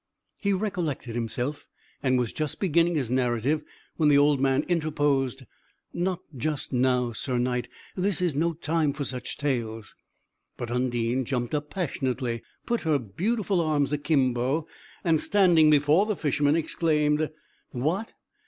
He recollected himself, and was just beginning his narrative, when the old man interposed: "Not just now, Sir Knight; this is no time for such tales." But Undine jumped up passionately, put her beautiful arms akimbo, and standing before the Fisherman, exclaimed: "What!